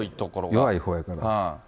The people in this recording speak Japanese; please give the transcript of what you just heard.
弱いほうやから。